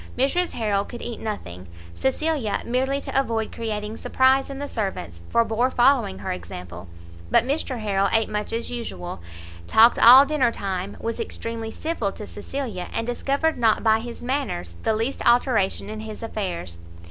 Mrs Harrel could eat nothing; Cecilia, merely to avoid creating surprise in the servants, forbore following her example; but Mr Harrel ate much as usual, talked all dinner time, was extremely civil to Cecilia, and discovered not by his manners the least alteration in his affairs.